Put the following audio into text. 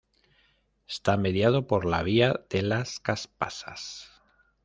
Está mediado por la vía de las caspasas.